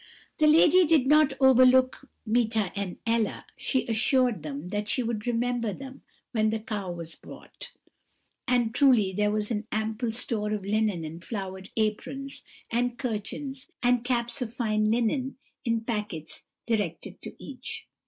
"The lady did not overlook Meeta and Ella; she assured them that she would remember them when the cow was brought; and truly there was an ample store of linen and flowered aprons, and kerchiefs and caps of fine linen, in packets directed to each.